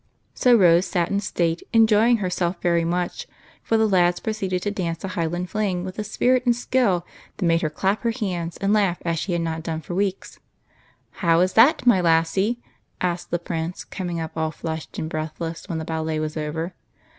So Rose sat in state enjoying herself very much, for the lads proceeded to dance a Highland Fling with a spirit and skill that made her clap her hands and laugh as she had not done for weeks. " How is that, my lassie ?" asked the Prince, coming up all flushed and breathless when the ballet was over.